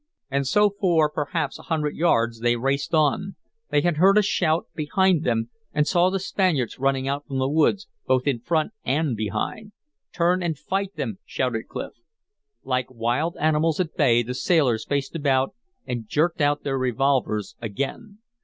And so for perhaps a hundred yards they raced on. They had heard a shout behind them, and saw the Spaniards running out from the woods, both in front and behind. "Turn and fight them!" shouted Clif. Like wild animals at bay the sailors faced about and jerked out their revolvers again.